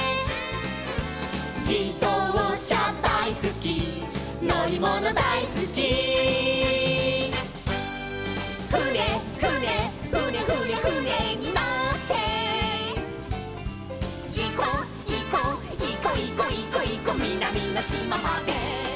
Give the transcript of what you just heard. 「じどうしゃだいすきのりものだいすき」「ふねふねふねふねふねにのって」「いこいこいこいこいこいこみなみのしままで」